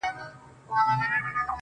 زړه یوسې او پټ یې په دسمال کي کړې بدل.